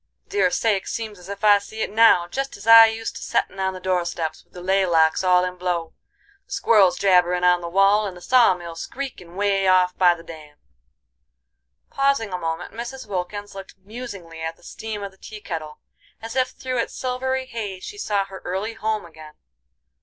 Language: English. Dear sakes, seems as ef I see it now, jest as I used to settin' on the doorsteps with the lay locks all in blow, the squirrels jabberin' on the wall, and the saw mill screekin' way off by the dam." Pausing a moment, Mrs. Wilkins looked musingly at the steam of the tea kettle, as if through its silvery haze she saw her early home again.